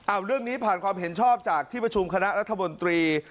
เอาเรื่องนี้ผ่านความเห็นชอบจากที่ประชุมคณะรัฐมนตรี